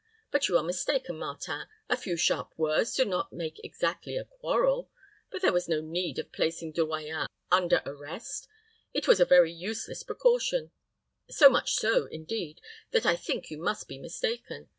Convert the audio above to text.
But you are mistaken, Martin: a few sharp words do not make exactly a quarrel, and there was no need of placing De Royans under arrest. It was a very useless precaution; so much so, indeed, that I think you must be mistaken.